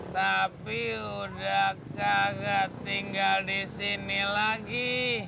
tapi udah kagak tinggal di sini lagi